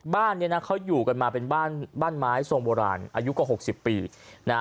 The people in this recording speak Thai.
บ้านเนี่ยนะเขาอยู่กันมาเป็นบ้านบ้านไม้ทรงโบราณอายุกว่าหกสิบปีนะฮะ